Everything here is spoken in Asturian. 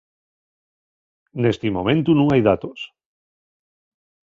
Nesti momentu nun hai datos.